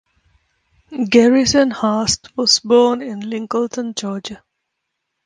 Garrison Hearst was born in Lincolnton, Georgia.